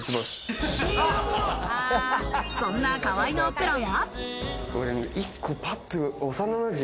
そんな河合のプランは。